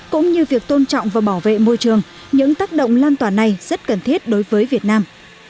cũng như việc tôn trọng và bảo vệ môi trường những tác động lan tỏa này rất cần thiết đối với việt nam